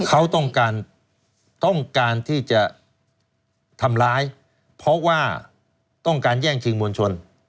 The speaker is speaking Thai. เขาต้องการต้องการที่จะทำร้ายเพราะว่าต้องการแย่งชิงมวลชน